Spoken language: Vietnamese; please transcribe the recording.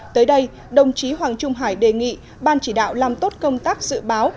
tới đây đồng chí hoàng trung hải đề nghị ban chỉ đạo làm tốt công tác dự báo